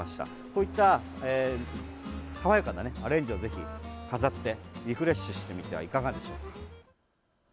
こういった爽やかなアレンジをぜひ飾ってリフレッシュしてみてはいかがでしょうか？